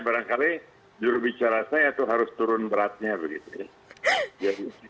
barangkali jurubicara saya itu harus turun beratnya begitu ya